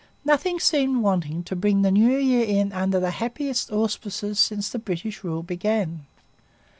Nothing seemed wanting to bring the New Year in under the happiest auspices since British rule began.